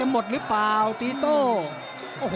ฝ่ายทั้งเมืองนี้มันตีโต้หรืออีโต้